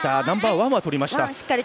ナンバーワンはとりました。